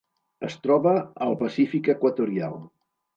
Es troba al Pacífic equatorial.